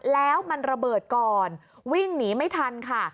แล้วมันระเบิดก่อนวิ่งหนีไม่ทันค่ะ